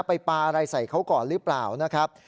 ปลาอะไรใส่เขาก่อนหรือเปล่านะครับ